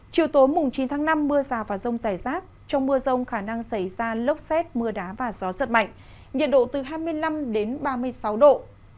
chiều tối mùng chín tháng năm mưa xào và rông xảy rác trong mưa rông khả năng xảy ra lốc xét mưa đá và gió rất mạnh nhiệt độ từ hai mươi năm đến ba mươi sáu độ